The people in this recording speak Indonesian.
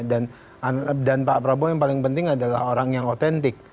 dan pak prabowo yang paling penting adalah orang yang otentik